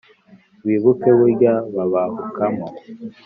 Wibuke burya babahukamo